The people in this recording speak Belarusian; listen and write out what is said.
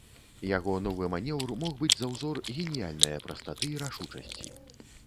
Яго новы манеўр мог быць за ўзор геніяльнае прастаты і рашучасці.